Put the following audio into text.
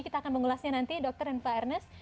kita akan mengulasnya nanti dokter dan pak ernest